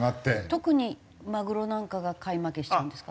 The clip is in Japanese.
特にマグロなんかが買い負けしちゃうんですか？